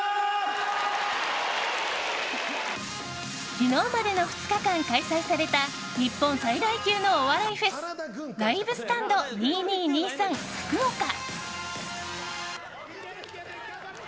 昨日までの２日間開催された日本最大級のお笑いフェス「ＬＩＶＥＳＴＡＮＤ２２‐２３ＦＵＫＵＯＫＡ」。